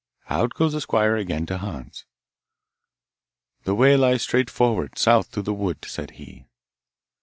Out goes the squire again to Hans. 'The way lies straight forward, south through the wood,' said he.